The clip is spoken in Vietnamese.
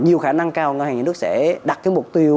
nhiều khả năng cao ngân hàng nhà nước sẽ đặt cái mục tiêu